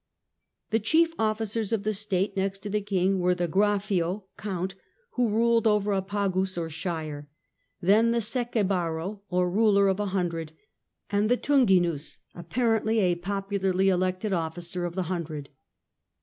The chief officers of the State, next to the king, were the grafio (count), who ruled over a pagus or shire; then the sacebaro, or ruler of a hundred, and the thunginus, apparently a popularly elected officer of the hundred.